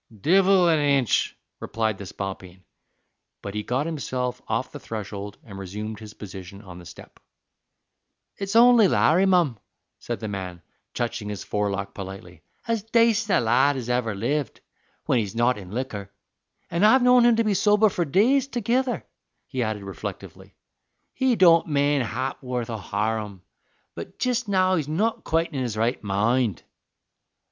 "Divil an inch," replied the spalpeen; but he got himself off the threshold and resumed his position on the step. "It's only Larry, mum," said the man, touching his forelock politely; "as dacent a lad as ever lived, when he's not in liquor; an' I've known him to be sober for days togither," he added, reflectively. "He don't mane a ha'p'orth o' harum, but jist now he's not quite in his right moind."